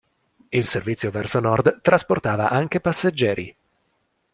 Il servizio verso nord trasportava anche passeggeri.